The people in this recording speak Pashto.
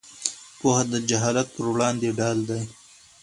پوهه د جهالت پر وړاندې ډال دی.